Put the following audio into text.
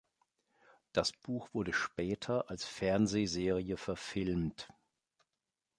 Das Buch wurde später als Fernsehserie verfilmt.